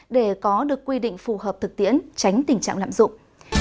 để có được quy định phù hợp thực tiễn tránh tình trạng lạm dụng